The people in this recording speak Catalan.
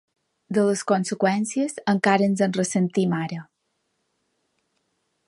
De les conseqüències, encara ens en ressentim ara.